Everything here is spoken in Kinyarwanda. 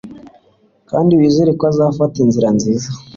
kandi wizere ko azafata inzira nziza